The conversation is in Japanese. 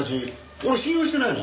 俺を信用してないの？